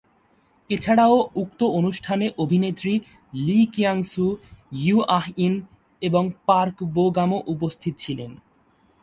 এছাড়াও উক্ত অনুষ্ঠানে অভিনেত্রী লি কিয়াং-সু, ইয়ু আহ-ইন এবং পার্ক বো-গামও উপস্থিত ছিলেন।